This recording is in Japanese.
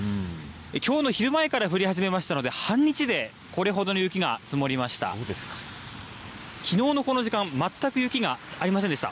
きょうの昼前から降り始めましたので、半日でこれほどの雪が積もりました。